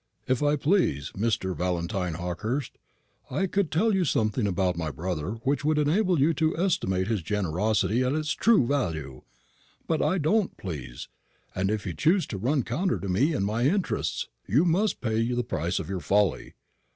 If I pleased, Mr. Valentine Hawkehurst, I could tell you something about my brother which would enable you to estimate his generosity at its true value. But I don't please; and if you choose to run counter to me and my interests, you must pay the price of your folly.